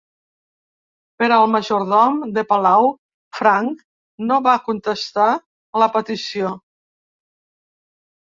Però el majordom de palau franc no va contestar a la petició.